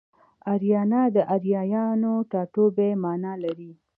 اریانا د اریایانو ټاټوبی مانا لري